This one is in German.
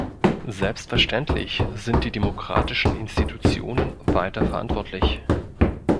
Selbstverständlich sind die demokratischen Institutionen weiter verantwortlich.